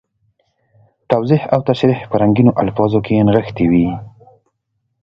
توضیح او تشریح په رنګینو الفاظو کې نغښتي وي.